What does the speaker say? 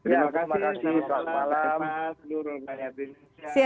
terima kasih selamat malam